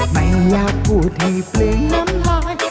ไม่อยากพูดให้เปลืองน้ำลาย